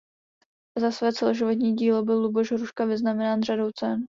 Za své celoživotní dílo byl Luboš Hruška vyznamenán řadou cen.